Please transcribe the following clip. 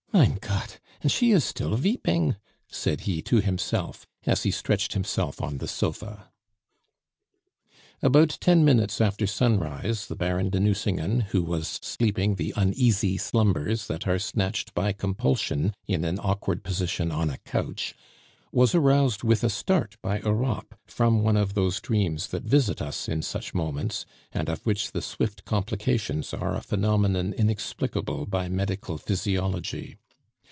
"Mein Gott! and she is still veeping!" said he to himself, as he stretched himself on the sofa. About ten minutes after sunrise, the Baron de Nucingen, who was sleeping the uneasy slumbers that are snatched by compulsion in an awkward position on a couch, was aroused with a start by Europe from one of those dreams that visit us in such moments, and of which the swift complications are a phenomenon inexplicable by medical physiology.